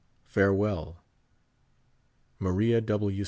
farewell ! MARIA W.